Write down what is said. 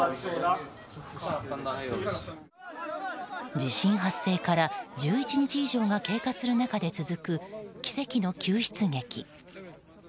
地震発生から１１日以上が経過する中で続く奇跡の救出劇。